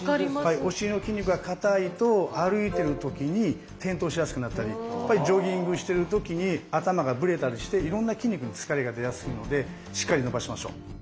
お尻の筋肉が硬いと歩いてる時に転倒しやすくなったりジョギングしてる時に頭がブレたりしていろんな筋肉に疲れが出やすいのでしっかり伸ばしましょう。